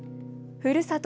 ふるさと